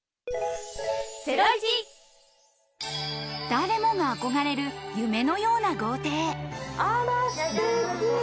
誰もが憧れる夢のような豪邸。